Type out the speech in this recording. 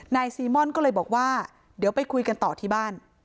ซีม่อนก็เลยบอกว่าเดี๋ยวไปคุยกันต่อที่บ้าน